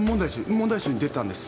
問題集に出てたんです。